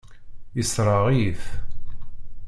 Yessṛeɣ-iyi-t.